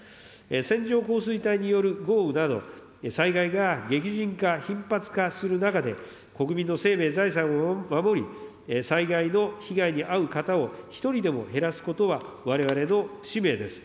線状降水帯による豪雨など、災害が激甚化、頻発化する中で、国民の生命、財産を守り、災害の被害に遭う方を一人でも減らすことは、われわれの使命です。